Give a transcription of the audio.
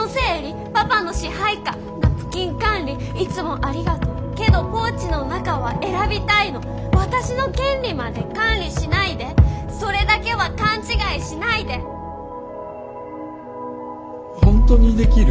ナプキン管理いつもありがとうけどポーチの中は選びたいの私の権利まで管理しないでそれだけは勘違いしないで本当にできる？